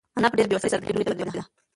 انا په ډېرې بېوسۍ سره د قبلې لوري ته ودرېده.